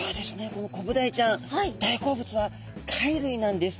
このコブダイちゃん大好物は貝類なんです。